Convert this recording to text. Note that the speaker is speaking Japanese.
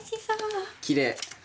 きれい。